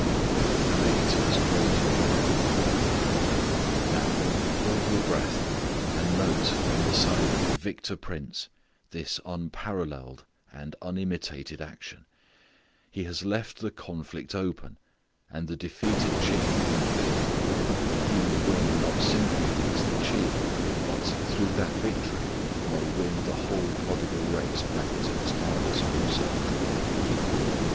The Victor's Great Plan. Now, hold your breath and note, on the side of the Victor prince, this unparalleled and unimitated action: He has left the conflict open, and the defeated chief on the field that He may win not simply against the chief, but through that victory may win the whole prodigal race back to His Father's home circle again.